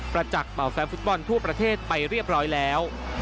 จักษ์เป่าแฟนฟุตบอลทั่วประเทศไปเรียบร้อยแล้ว